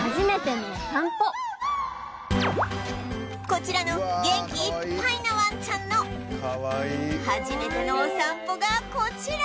こちらの元気いっぱいなワンちゃんの初めてのお散歩がこちら